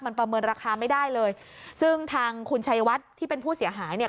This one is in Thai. มันประเมินราคาไม่ได้เลยซึ่งทางคุณชัยวัดที่เป็นผู้เสียหายเนี่ย